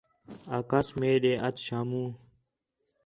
آکھاس مئے ݙے اَچ شامو